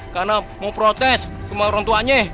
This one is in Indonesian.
karena mau protes sama orang tuanya